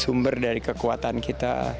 sumber dari kekuatan kita